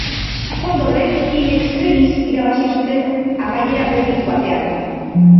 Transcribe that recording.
Kondorrek in extremis irabazi zuten amaiera berdindu batean.